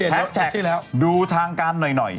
หัสแท็กดูทางการหน่อย